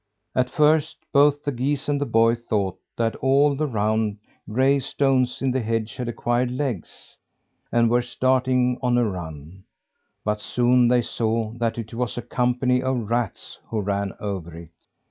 At first, both the geese and the boy thought that all the round, gray stones in the hedge had acquired legs, and were starting on a run; but soon they saw that it was a company of rats who ran over it.